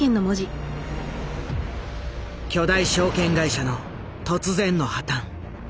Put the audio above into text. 巨大証券会社の突然の破たん。